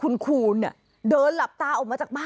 ก็เลยอยากให้หมอปลาเข้ามาช่วยหน่อยค่ะ